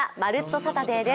サタデー」です。